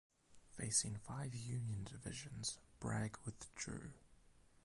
Facing five Union divisions, Bragg withdrew.